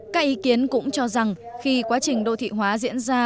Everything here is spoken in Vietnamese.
các ý kiến cũng cho rằng khi quá trình đô thị hóa diễn ra